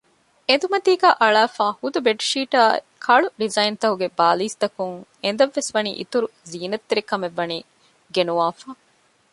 އެނދުމަތީގައި އަޅާފައިވާ ހުދު ބެޑްޝީޓާއި ކަޅު ޑިޒައިންތަކުގެ ބާލީސް ތަކުން އެނދަށްވެސް ވަނީ އިތުރު ޒީނަތްތެރިކަމެއްވަނީ ގެނުވާފަ